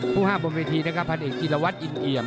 ผู้ห้าบนเวทีนะครับพันธุ์เอกจีรวรรต์อินเหยม